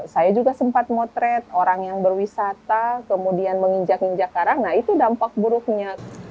saya juga sempat motret orang yang berwisata kemudian menginjak injak karang nah itu dampak buruknya